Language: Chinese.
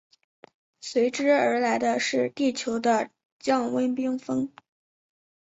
随之而来的是地球的降温冰封。